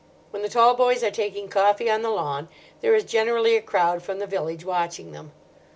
When the Talboys are taking coffee on the lawn, there is generally a crowd from the village watching them.